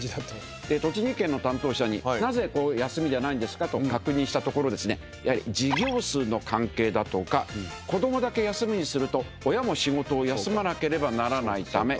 栃木県の担当者になぜ休みじゃないんですかと確認したところやはり授業数の関係だとか子供だけ休みにすると親も仕事を休まなければならないためということ。